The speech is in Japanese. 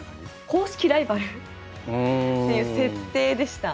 公式ライバルっていう設定でした。